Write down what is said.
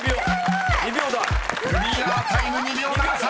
［クリアタイム２秒７３］